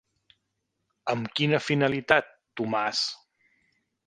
Amb quina finalitat, Tomàs?